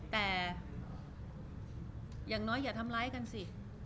แต่อย่างน้อยอย่าทำร้ายกันสิ